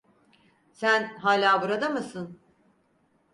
Sen hala burada mısın?